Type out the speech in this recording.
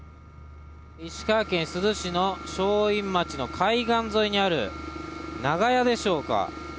石川県珠洲市の正院町の海岸沿いにある長屋でしょうか。